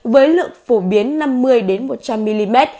với lượng phổ biến năm mươi một trăm linh mm